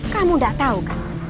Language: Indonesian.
kamu tidak tahu kan